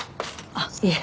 あっいえ。